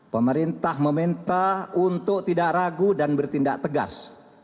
pemerintah meminta untuk tidak ragu dan bertindak tegas